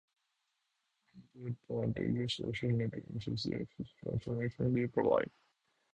Another advantage of social networks is the access to information they provide.